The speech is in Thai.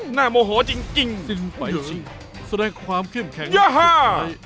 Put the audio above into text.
หน้าโมโหจริงสิ้นไฟชิ้นแสดงความเข้มแข็งขึ้นไปย่าฮ่า